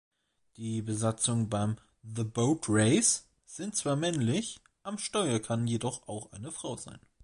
Die Besatzungen beim „The Boat Race“ sind zwar männlich, am Steuer kann jedoch auch eine Frau sein.